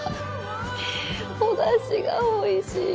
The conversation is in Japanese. おダシがおいしい。